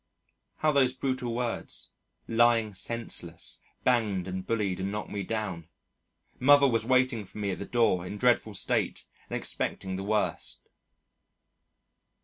(How those brutal words, "lying senseless," banged and bullied and knocked me down. Mother was waiting for me at the door in a dreadful state and expecting the worst.)